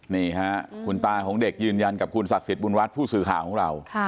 นี่ค่ะคุณตาของเด็กยืนยันกับคุณศักดิ์สิทธิบุญรัฐผู้สื่อข่าวของเรา